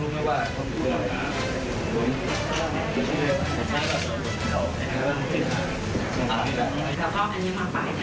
แล้วพออันนี้มาปลายทาง